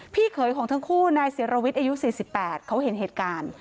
พี่เคยของทั้งคู่นายเสียรวิตอายุ๔๘เขาเห็นเหตุการณ์